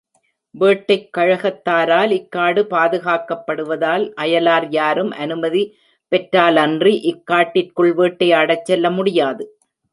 வேட்டைக் கழகத்தாரால் இக் காடு பாதுகாக்கப்படுவதால், அயலார் யாரும் அனுமதி பெற்றலன்றி இக் காட்டிற்குள் வேட்டையாடச் செல்ல முடியாது.